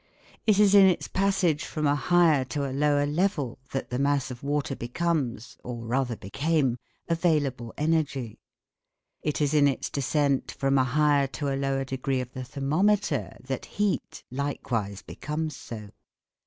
It is in its passage from a higher to a lower level that the mass of water becomes (or rather became) available energy: it is in its descent from a higher to a lower degree of the thermometer that heat likewise becomes so.